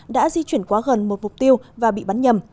đã di chuyển quá gần một mục tiêu và bị bắn nhầm